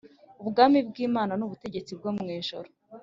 Ubwami bw’Imana ni ubutegetsi bwo mu ijuru